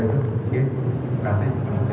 untuk beberapa cebata menteri